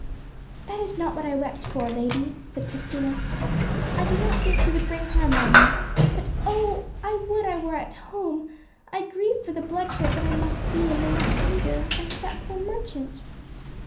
"That is not what I wept for, lady," said Christina. "I do not think you would bring harm on me. But oh! I would I were at home! I grieve for the bloodshed that I must see and may not hinder, and for that poor merchant."